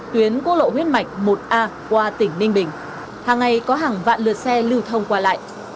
tuyến quốc lộ huyết mạch một a qua tỉnh ninh bình hàng ngày có hàng vạn lượt xe lưu thông qua lại